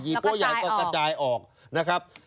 ปั้วใหญ่ก็กระจายออกนะครับ